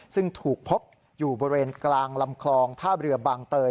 ซึ่งถูกพบอยู่บริเวณกลางลำคลองท่าเรือบางเตย